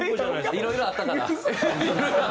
いろいろあったから？